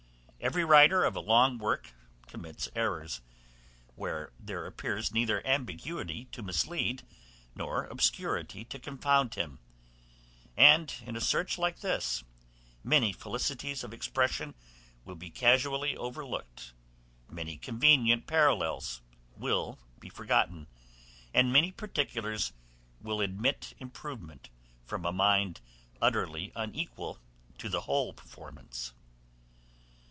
Every writer of a long word commits errors, where there appears neither ambiguity to mislead, nor obscurity to confound him; and in a search like this, many felicities of expression will be casually overlooked, many convenient parallels will be forgotten, and many particulars will admit improvement from a mind utterly unequal to the whole performance.